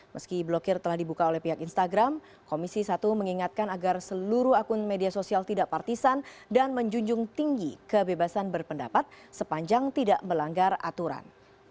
meski blokir telah dibuka oleh pihak instagram komisi satu mengingatkan agar seluruh akun media sosial tidak partisan dan menjunjung tinggi kebebasan berpendapat sepanjang tidak melanggar aturan